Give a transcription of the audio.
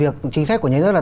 chính sách của nhà nước là